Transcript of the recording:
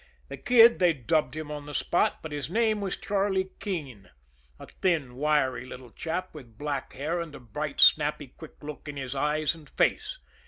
The Kid, they dubbed him on the spot, but his name was Charlie Keene; a thin, wiry little chap, with black hair and a bright, snappy, quick look in his eyes and face.